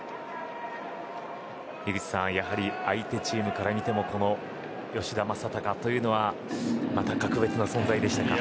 井口さん、やはり相手チームから見てもこの吉田正尚というのは格別な存在でしたか。